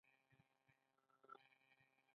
خو خلک له فیلټر شکن کار اخلي.